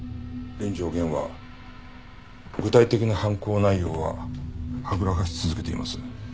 連城源は具体的な犯行内容ははぐらかし続けています。